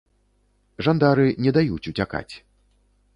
Жандары не даюць уцякаць.